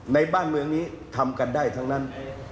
ในบ้านเมืองนี้ทำกันได้ทั้งนั้น